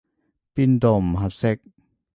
邊度唔合適？